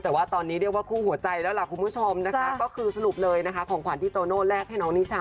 แต่ว่าตอนนี้เรียกว่าหัวใจแล้วกับผู้ผู้ชม